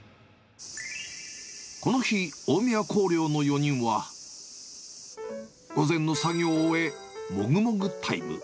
この日、大宮光陵の４人は、午前の作業を終え、もぐもぐタイム。